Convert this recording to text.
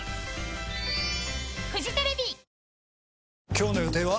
今日の予定は？